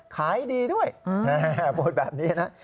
ขายดีด้วยพูดแบบนี้นะ